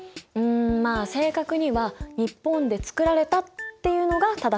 んまあ正確には日本で作られたっていうのが正しいんだけどね。